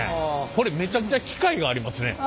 これめちゃくちゃ機械がありますね。